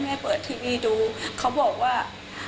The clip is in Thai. ให้เปิดทีวีดูเขาบอกว่า